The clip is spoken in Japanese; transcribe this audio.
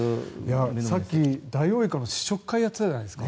さっき、ダイオウイカの試食会やってたじゃないですか。